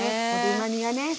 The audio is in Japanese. うまみがね。